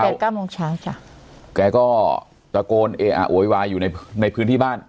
เก้าโมงเช้าจ้ะแกก็ตะโกนเออะโวยวายอยู่ในในพื้นที่บ้าน